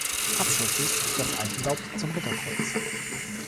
Abschusses das Eichenlaub zum Ritterkreuz.